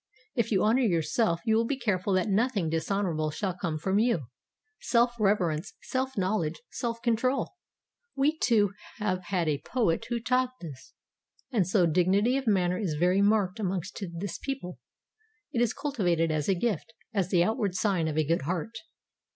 If you honour yourself, you will be careful that nothing dishonourable shall come from you. 'Self reverence, self knowledge, self control;' we, too, have had a poet who taught this. And so dignity of manner is very marked amongst this people. It is cultivated as a gift, as the outward sign of a good heart.